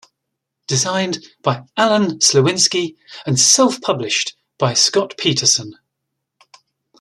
Designed by Allen Sliwinski and self-published by Scott Peterson.